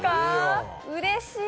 うれしい。